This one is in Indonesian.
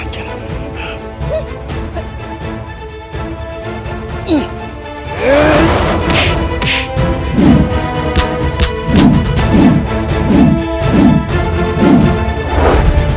ya memang saja